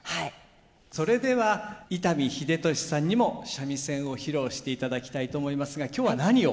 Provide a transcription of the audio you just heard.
それでは伊丹秀敏さんにも三味線を披露していただきたいと思いますが今日は何を？